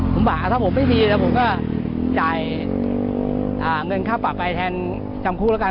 ผมบอกถ้าผมไม่ดีแล้วผมก็จ่ายเงินค่าปรับไปแทนจำคุกแล้วกัน